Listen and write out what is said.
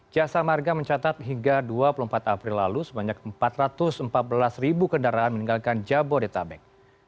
jasa marga mencatat hingga dua puluh empat april lalu sebanyak empat ratus empat belas ribu kendaraan meninggalkan jabodetabek